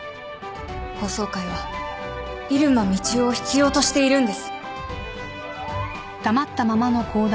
法曹界は入間みちおを必要としているんです。